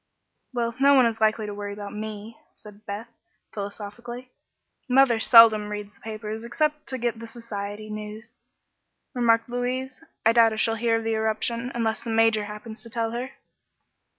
"Well, no one is likely to worry about me," said Beth, philosophically. "Mother seldom reads the papers, except to get the society news," remarked Louise. "I doubt if she'll hear of the eruption, unless the Major happens to tell her."